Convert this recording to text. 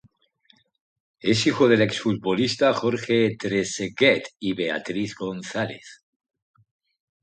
Es hijo del exfutbolista Jorge Trezeguet y de Beatriz González.